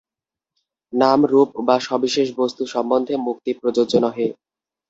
নাম-রূপ বা সবিশেষ বস্তু সম্বন্ধে মুক্তি প্রযোজ্য নহে।